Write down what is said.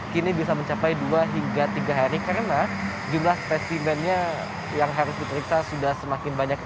kini bisa mencapai dua hingga tiga hari karena jumlah spesimennya yang harus diperiksa sudah semakin banyak